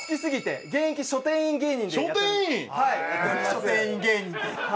書店員芸人って。